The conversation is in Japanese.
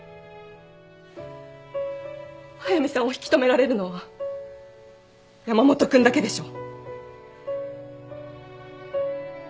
速見さんを引き留められるのは山本君だけでしょ？